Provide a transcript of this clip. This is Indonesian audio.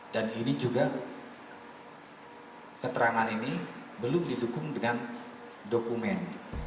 dan ini juga keterangan ini belum didukung dengan dokumen